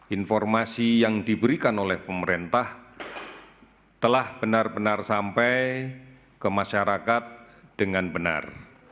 informasi yang diberikan oleh pemerintah telah benar benar sampai ke masyarakat dengan benar